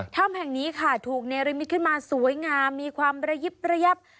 ถ้ำแห่งนี้ค่ะถูกเนรมิตขึ้นมาสวยงามมีความระยิบระยับ